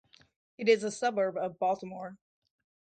It is a suburb of Baltimore.